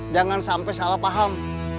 jangan sampai salah paham